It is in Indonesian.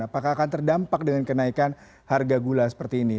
apakah akan terdampak dengan kenaikan harga gula seperti ini